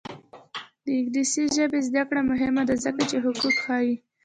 د انګلیسي ژبې زده کړه مهمه ده ځکه چې حقوق ښيي.